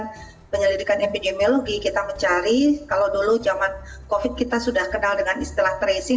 dalam penyelidikan epidemiologi kita mencari kalau dulu zaman covid kita sudah kenal dengan istilah tracing